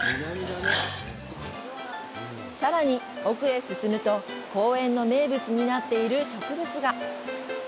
さらに奥へ進むと公園の名物になっている植物が。